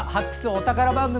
お宝番組」